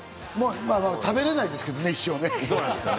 食べられないですけどね、一生。